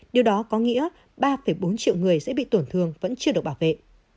điều đó có nghĩa ba bốn triệu người sẽ bị tổn thương vẫn chưa được bảo vệ